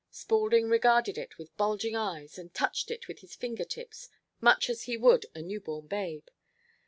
Spaulding regarded it with bulging eyes, and touched it with his finger tips much as he would a newborn babe.